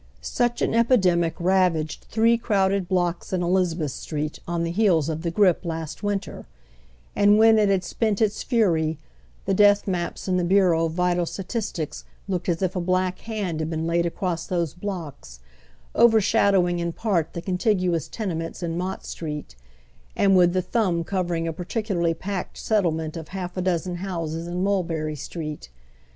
Such an epidemic I'avaged three crowded blocks in Elizabeth Street on the heels of the grippe last winter, and, when it had spent its fury, the death maps in the Bureau of Vital Statistics looked as if a black hand had been laid across those blocks, over shadowing in part the contiguous ten ements in Mott Street, and with tbe thumb covering a particularly packed settlement of half a dozen houses in Mulberry Street.